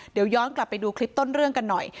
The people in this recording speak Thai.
เดี๋ยวย้อนกลับไปดูคลิปต้นเรื่องกันหน่อย